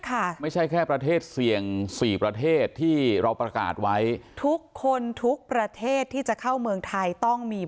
ดังนี้อาทิตย์นึงคือศาลารคับการเข้ามาให้เดี๋ยวต้อนที่สุด